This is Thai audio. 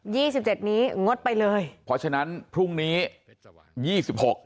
ี่สิบเจ็ดนี้งดไปเลยเพราะฉะนั้นพรุ่งนี้ยี่สิบหก